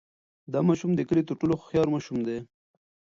دا ماشوم د کلي تر ټولو هوښیار ماشوم دی.